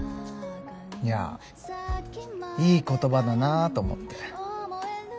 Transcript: いやいい言葉だなと思って。